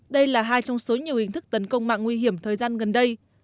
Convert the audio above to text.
đây là hai trong số nhiều hình thức tấn công mạng nguy hiểm thời gian gần đây